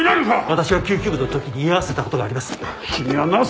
私は救急部の時に居合わせた事があります。